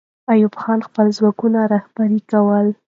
ایوب خان خپل ځواکونه رهبري کوله.